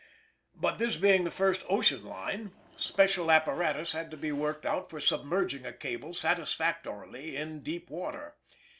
But this being the first ocean line, special apparatus had to be worked out for submerging a cable satisfactorily in deep water.